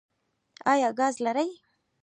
ایا ګاز لرئ؟